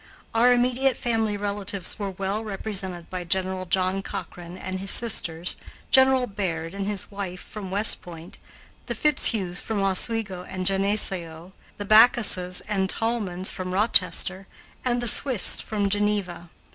Our immediate family relatives were well represented by General John Cochrane and his sisters, General Baird and his wife from West Point, the Fitzhughs from Oswego and Geneseo, the Backuses and Tallmans from Rochester, and the Swifts from Geneva.